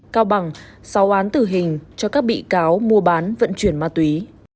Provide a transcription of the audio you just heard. cao bằng sáu án tử hình cho các bị cáo mua bán vận chuyển ma túy